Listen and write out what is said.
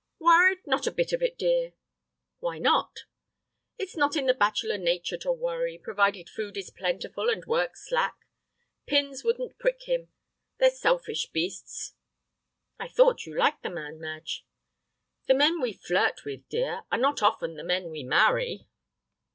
"Worried, not a bit of it, dear." "Why not?" "It's not in the bachelor nature to worry, provided food is plentiful and work slack. Pins wouldn't prick him. They're selfish beasts." "I thought you liked the man, Madge." "The men we flirt with, dear, are not often the men we marry."